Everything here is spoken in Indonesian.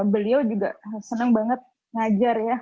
beliau juga senang banget ngajar ya